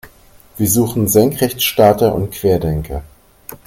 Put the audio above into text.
Wir suchen Senkrechtstarter und Querdenker.